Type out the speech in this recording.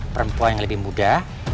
perempuan yang lebih muda